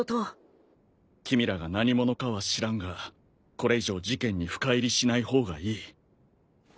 君らが何者かは知らんがこれ以上事件に深入りしない方がいい。